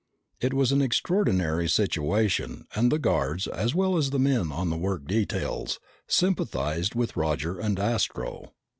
It was an extraordinary situation and the guards, as well as the men on the work details, sympathized with Roger and Astro.